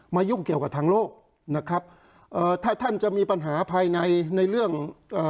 ยุ่งเกี่ยวกับทางโลกนะครับเอ่อถ้าท่านจะมีปัญหาภายในในเรื่องเอ่อ